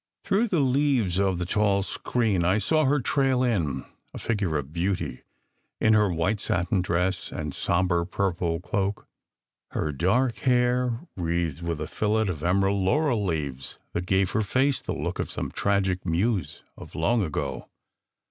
Through the leaves of the tall screen I saw her trail in, a figure of beauty in her white 309 310 SECRET HISTORY satin dress and sombre purple cloak, her dark hair wreathed with a fillet of emerald laurel leaves that gave her face the look of some tragic muse of long ago.